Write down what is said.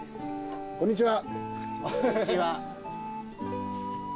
こんにちは。